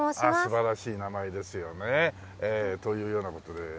素晴らしい名前ですよね。というような事で。